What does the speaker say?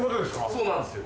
そうなんですよ。